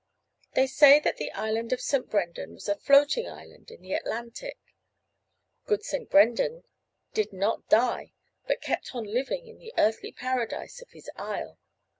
They say that the island of St. Brendan was a floating island in the Atlantic. Good St. Brendan did not die but kept on living in the earthly Paradise of his isle.